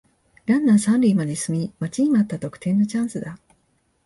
ランナー三塁まで進み待ちに待った得点のチャンスだ